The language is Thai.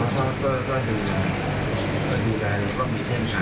ขอบคุณครับ